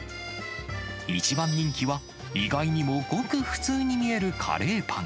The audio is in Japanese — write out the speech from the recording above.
一番人気は、意外にも、ごく普通に見えるカレーパン。